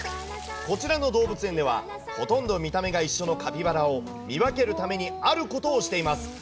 こちらの動物園では、ほとんど見た目が一緒のカピバラを見分けるためにあることをしています。